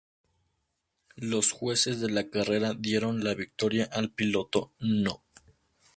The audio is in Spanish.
Los jueces de la carrera dieron la victoria al piloto No.